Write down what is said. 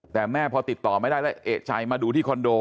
แต่แม่พอติดต่อไม่ได้แล้วเอกใจมาดูที่คอนโด